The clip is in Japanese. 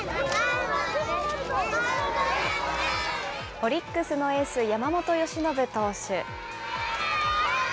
オリックスのエース、山本由伸投手。